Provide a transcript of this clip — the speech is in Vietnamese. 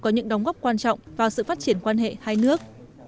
có những đóng góp quan trọng vào sự phát triển quan hệ hai nước